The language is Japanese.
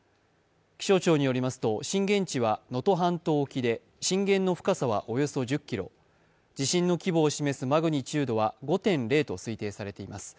気象庁によりますと震源地は能登半島沖で震源の深さはおよそ１０ｋｍ地震の規模を示すマグニチュードは５．０と推測されています。